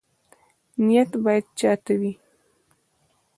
نیت باید چا ته وي؟